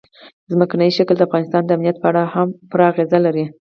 ځمکنی شکل د افغانستان د امنیت په اړه هم پوره اغېز لري.